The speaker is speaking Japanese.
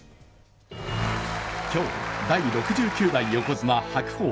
今日、第６９代横綱・白鵬。